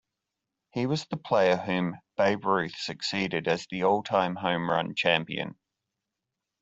He was the player whom Babe Ruth succeeded as the all-time home run champion.